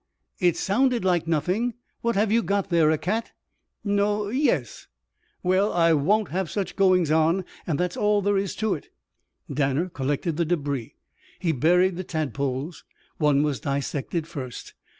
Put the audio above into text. It sounded like nothing! What have you got there? A cat?" "No yes." "Well I won't have such goings on, and that's all there is to it." Danner collected the débris. He buried the tadpoles. One was dissected first.